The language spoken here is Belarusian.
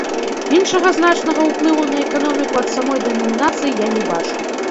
Іншага значнага ўплыву на эканоміку ад самой дэнамінацыі я не бачу.